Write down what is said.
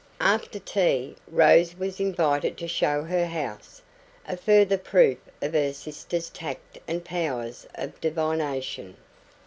After tea, Rose was invited to show her house a further proof of her sister's tact and powers of divination.